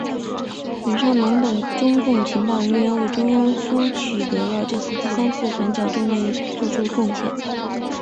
冷少农等中共情报人员为中央苏区取得这三次反围剿战争的胜利作出了贡献。